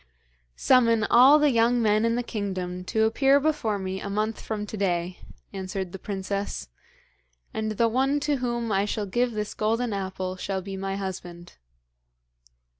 'Summon all the young men in the kingdom to appear before me a month from to day,' answered the princess; 'and the one to whom I shall give this golden apple shall be my husband.'